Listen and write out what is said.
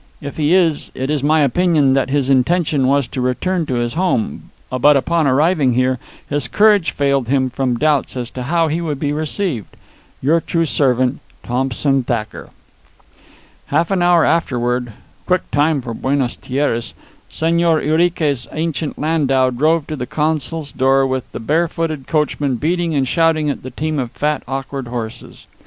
If he is, it is my opinion that his intention was to return to his home, but upon arriving here, his courage failed him from doubts as to how he would be received. Your true servant, THOMPSON THACKER. Half an hour afterward quick time for Buenas Tierras Señor Urique's ancient landau drove to the consul's door, with the barefooted coachman beating and shouting at the team of fat, awkward horses.